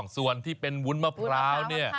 ส่วนที่เป็นวุ้นมะพร้าวเนี่ย